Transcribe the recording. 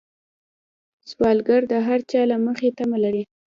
سوالګر د هر چا له مخې تمه لري